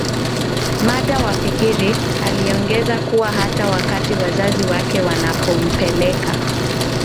madawaFikiri aliongeza kuwa hata wakati wazazi wake wanampeleka